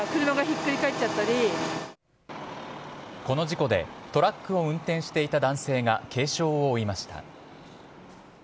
この事故でトラックを運転していた男性が軽傷を負いました。